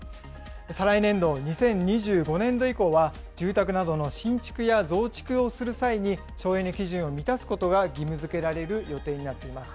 再来年度・２０２５年度以降は、住宅などの新築や増築をする際に、省エネ基準を満たすことが義務づけられる予定になっています。